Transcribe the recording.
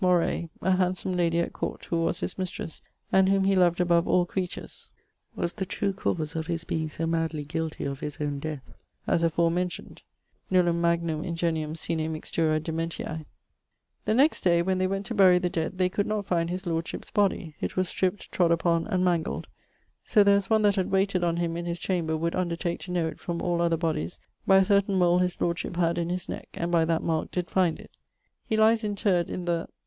Moray, a handsome lady at court, who was his mistresse, and whom he loved above all creatures, was the true cause of his being so madly guilty of his own death, as afore mentioned: (nullum magnum ingenium sine mixtura dementiae). The next day, when they went to bury the dead, they could not find his lordship's body, it was stript, trod upon, and mangled; so there was one that had wayted on him in his chamber would undertake to know it from all other bodyes, by a certaine mole his lordship had in his neck, and by that marke did find it. He lies interred in the